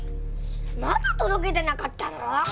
まだ届けてなかったの！？